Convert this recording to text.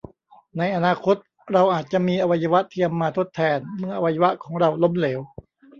ในอนาคต เราอาจจะมีอวัยวะเทียมมาทดแทนเมื่ออวัยวะของเราล้มเหลว